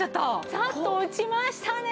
サッと落ちましたね！